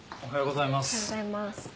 おはようございます。